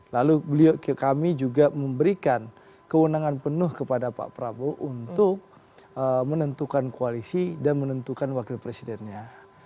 lalu kami juga memberikan kewenangan penuh kepada pak prabowo untuk menentukan koalisi dan menentukan wakil presidennya